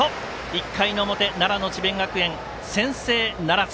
１回の表、奈良の智弁学園先制ならず。